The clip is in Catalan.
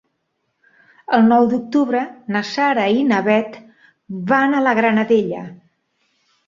El nou d'octubre na Sara i na Bet van a la Granadella.